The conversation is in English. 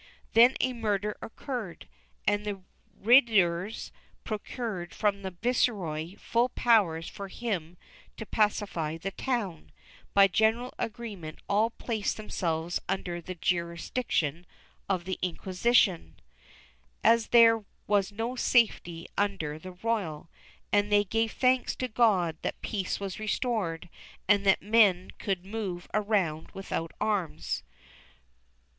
Then a murder occurred, and the regidors procured from the viceroy full powers for him to pacify the town; by general agreement all placed themselves under the jurisdiction of the Inquisition, as there was no safety under the royal, and they gave thanks to God that peace was restored, and that men could move around without arms.